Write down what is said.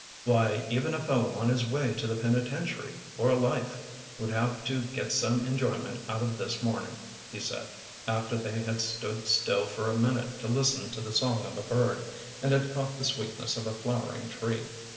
"Why, even a fellow on his way to the penitentiary for life would have to get some enjoyment out of this morning," he said, after they had stood still for a minute to listen to the song of a bird, and had caught the sweetness of a flowering tree.